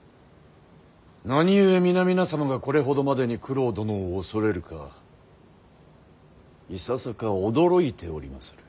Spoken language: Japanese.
何故皆々様がこれほどまでに九郎殿を恐れるかいささか驚いておりまする。